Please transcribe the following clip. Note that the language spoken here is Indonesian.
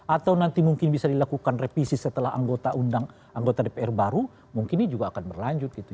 atau nanti mungkin bisa dilakukan revisi setelah anggota dpr baru mungkin ini juga akan berlanjut gitu